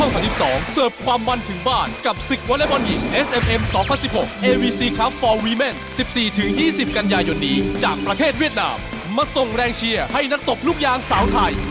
เพื่อพาแชมป์กลับประเทศไทยให้ได้